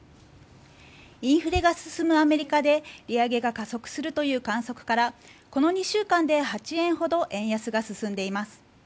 インフレが進むアメリカで利上げが加速するという観測からこの２週間で８円ほど円安が進んでいます。